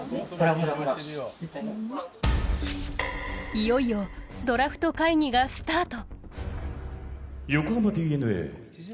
いよいよドラフト会議がスタート。